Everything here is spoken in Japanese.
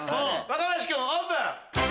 若林君オープン。